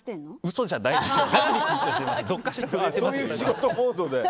嘘じゃないですよ。